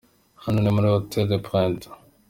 Hano ni muri Hotel Le Printemps.